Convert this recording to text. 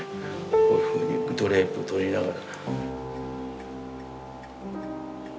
こういうふうにドレープとりながら。